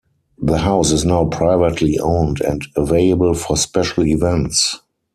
The house is now privately owned and available for special events.